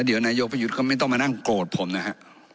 เดี๋ยวนายกประยุทธ์ก็ไม่ต้องมานั่งโกรธผมนะฮะ